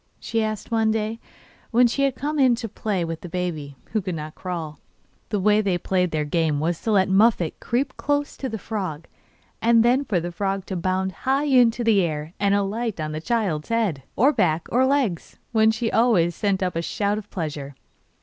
she asked one day, when she had come in to play with the baby, who could now crawl. The way they played their game was to let Muffette creep close to the frog, and then for the frog to bound high into the air and alight on the child's head, or back, or legs, when she always sent up a shout of pleasure.